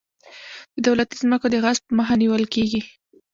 د دولتي ځمکو د غصب مخه نیول کیږي.